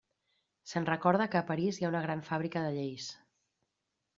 Se'n recorda que a París hi ha una gran fàbrica de lleis.